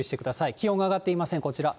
気温が上がっていません、こちら。